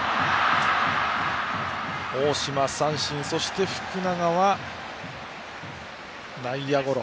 大島、三振そして福永は内野ゴロ。